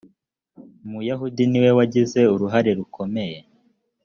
umuyahudi niwe wagize uruhare rukomeye .